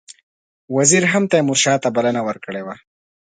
وزیر هم تیمورشاه ته بلنه ورکړې وه.